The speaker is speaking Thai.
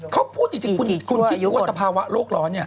เขาพูดจริงคุณคิดดูว่าสภาวะโลกร้อนเนี่ย